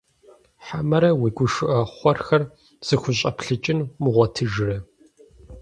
Хьэмэрэ уи гушыӀэ хъуэрхэр зыхущӀэплъыкӀын умыгъуэтыжрэ?